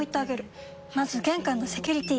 まず玄関のセキュリティ！